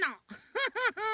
フフフフ。